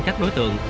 các đối tượng